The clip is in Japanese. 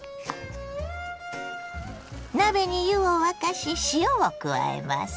鍋に湯を沸かし塩を加えます。